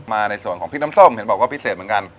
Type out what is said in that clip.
ในส่วนของพริกน้ำส้มเห็นบอกว่าพิเศษเหมือนกัน